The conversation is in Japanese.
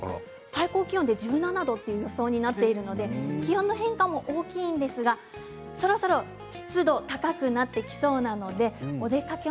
最高気温１７度という予想になっていますので気温の変化も大きいんですがそろそろ湿度高くなっていきそうなのでお出かけ